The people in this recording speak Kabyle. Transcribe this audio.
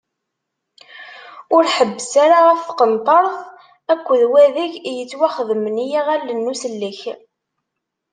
Ur ḥebbes ara ɣef tqenṭert, akked wadeg yettwaxedmen i yiɣallen n usellek.